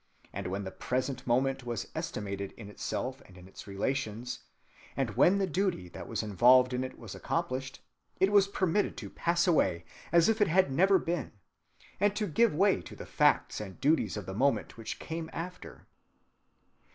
and when the present moment was estimated in itself and in its relations, and when the duty that was involved in it was accomplished, it was permitted to pass away as if it had never been, and to give way to the facts and duties of the moment which came after."